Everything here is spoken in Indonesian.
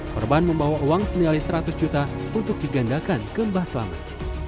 korban membawa uang senilai seratus juta untuk digandakan ke mbah selamat